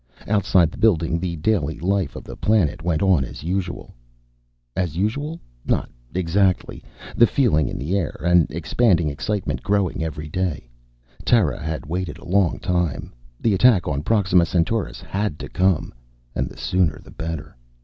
Outside the building the daily life of the planet went on as usual. As usual? Not exactly. The feeling was in the air, an expanding excitement growing every day. Terra had waited a long time. The attack on Proxima Centaurus had to come and the sooner the better.